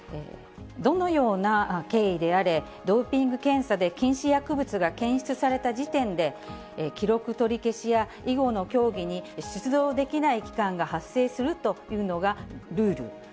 どのような経緯であれ、ドーピング検査で禁止薬物が検出された時点で、記録取り消しや以後の競技に出場できない期間が発生するというのがルール。